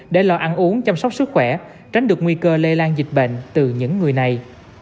để lò ăn uống chăm sóc sức khỏe tránh được nguy cơ lây lan dịch bệnh từ những người này